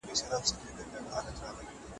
ادبي څېړنه د ادب په اړه نوې پوهه ده.